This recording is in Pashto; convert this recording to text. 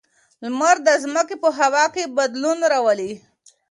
لمر د ځمکې په هوا کې بدلون راولي.